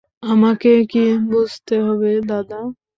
আমাকে কী বুঝতে হবে দাদা?